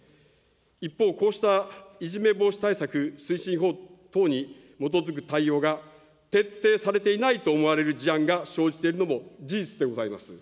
一方、こうしたいじめ防止対策推進法等に基づく対応が、徹底されていないと思われる事案が生じているのも事実でございます。